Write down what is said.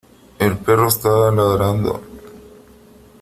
El perro está ladrando.